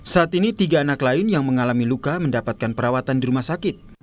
saat ini tiga anak lain yang mengalami luka mendapatkan perawatan di rumah sakit